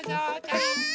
はい。